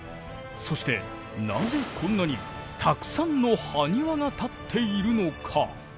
そしてなぜこんなにたくさんのハニワが立っているのか？